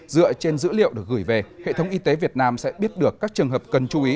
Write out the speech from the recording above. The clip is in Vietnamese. dựa trên dữ liệu được gửi về hệ thống y tế việt nam sẽ biết được các trường hợp cần chú ý